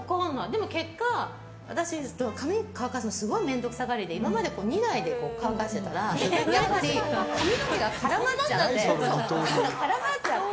でも結果私、髪、乾かすのすごい面倒くさがりで今まで２台で乾かしてたらやっぱり髪の毛が絡まっちゃって。